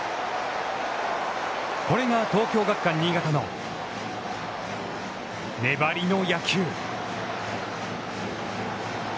これが東京学館新潟の粘りの野球。